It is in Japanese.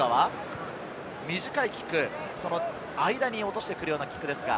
短いキック、間に落としてくるようなキックです。